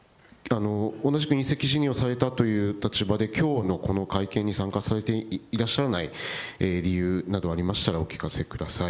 同じく引責辞任をされたという立場できょうのこの会見に参加されていらっしゃらない理由などありましたらお聞かせください。